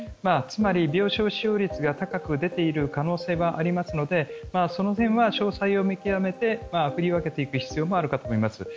つまり病床使用率が高く出ている可能性がありますのでその点は詳細を見極めて振り分けていく必要があるかと思います。